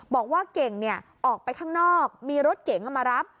บอกว่าเก่งออกไปข้างนอกมีรถเก๋งมารับ